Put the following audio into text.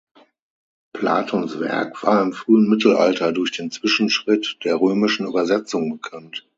Platons Werk war im frühen Mittelalter durch den Zwischenschritt der römischen Übersetzung bekannt.